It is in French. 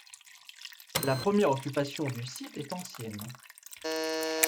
La première occupation du site est ancienne.